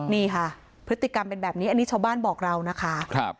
นี่ค่ะพฤติกรรมเป็นแบบนี้อันนี้ชาวบ้านบอกเรานะคะ